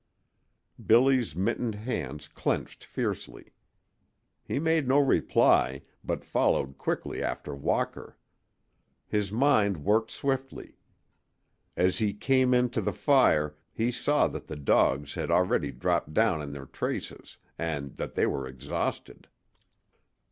Billy's mittened hands clenched fiercely. He made no reply, but followed quickly after Walker. His mind worked swiftly. As he came in to the fire he saw that the dogs had already dropped down in their traces and that they were exhausted.